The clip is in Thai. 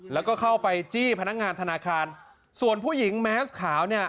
แล้วก็เข้าไปจี้พนักงานธนาคารส่วนผู้หญิงแมสขาวเนี่ย